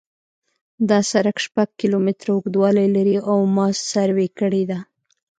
دا سرک شپږ کیلومتره اوږدوالی لري او ما سروې کړی دی